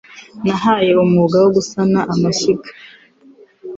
Nahaye umwuga wo gusana amashyiga.